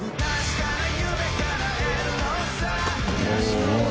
すごい。